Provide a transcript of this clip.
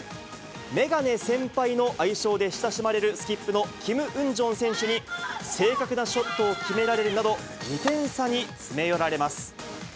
メガネ先輩の愛称で親しまれるスキップのキム・ウンジョン選手に正確なショットを決められるなど、２点差に詰め寄られます。